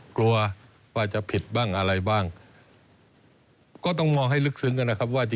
กลัวว่าจะผิดบ้างอะไรบ้างก็ต้องมองให้ลึกซึ้งกันนะครับว่าจะ